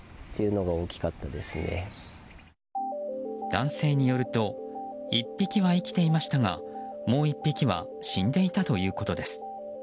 男性によると１匹は生きていましたがもう１匹は死んでいたということです。